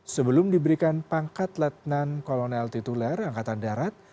sebelum diberikan pangkat letnan kolonel tituler angkatan darat